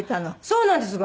そうなんです。